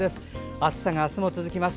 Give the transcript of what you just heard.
暑さが明日も続きます。